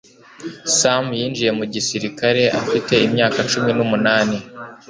Sam yinjiye mu gisirikare afite imyaka cumi numunani